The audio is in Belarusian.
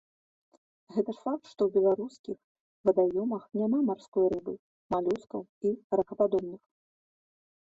Гэта ж факт, што ў беларускіх вадаёмах няма марской рыбы, малюскаў і ракападобных.